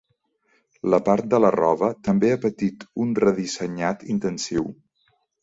La part de la roba també ha patit un redissenyat intensiu.